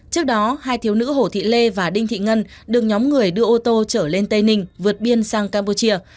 trước đó hai thiếu nữ hồ thị lê và đinh thị ngân được nhóm người đưa ô tô trở lên tây ninh vượt biên sang campuchia